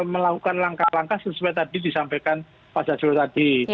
melakukan langkah langkah sesuai tadi disampaikan pak jazilul tadi